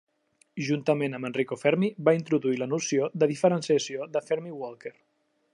Juntament amb Enrico Fermi, va introduir la noció de diferenciació de Fermi-Walker.